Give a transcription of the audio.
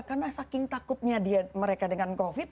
karena saking takutnya mereka dengan covid